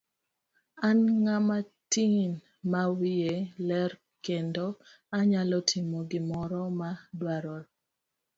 An ng'ama tin ma wiye ler kendo anyalo timo gimoro ma adwaro.